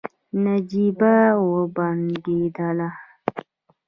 نجيبه وبنګېدله.